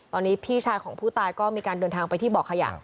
ตอนนี้พี่ชายของผู้ตายก็มีการเดินทางไปที่บ่อขยะ